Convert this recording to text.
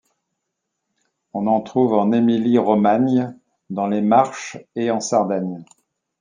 On en trouve en Émilie-Romagne, dans les Marches et en Sardaigne.